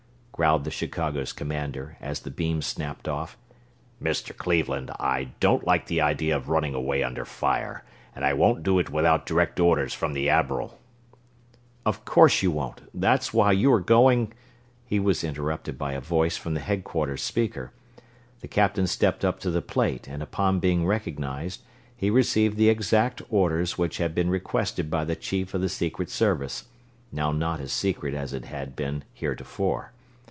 growled the Chicago's commander, as the beam snapped off. "Mr. Cleveland, I don't like the idea of running away under fire, and I won't do it without direct orders from the Admiral." "Of course you won't that's why you are going...." He was interrupted by a voice from the Headquarters speaker. The captain stepped up to the plate and, upon being recognized, he received the exact orders which had been requested by the Chief of the Secret Service now not as secret as it had been heretofore.